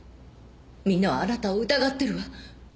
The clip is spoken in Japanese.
みんなはあなたを疑ってるわ。